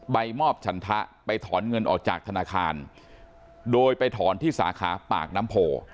ใบมอบฉันทะไปถอนเงินออกจากธนาคารโดยไปถอนที่สาขาปากน้ำโพ